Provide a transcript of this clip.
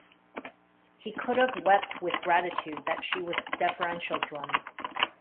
He could have wept with gratitude that she was deferential to him.